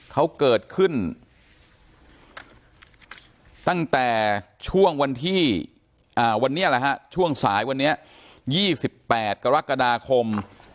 เขาเกิดขึ้นตั้งแต่ช่วงสายวันนี้๒๘กรกฎาคม